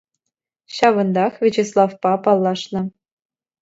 Ҫавӑнтах Вячеславпа паллашнӑ.